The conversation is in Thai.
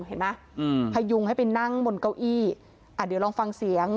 เห็นไหมอืมพยุงให้ไปนั่งบนเก้าอี้อ่าเดี๋ยวลองฟังเสียง